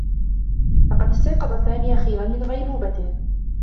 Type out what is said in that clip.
لقد استيقظ سامي أخيرا من غيبوبته.